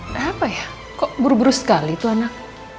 kenapa ya kok buru buru sekali tuh anak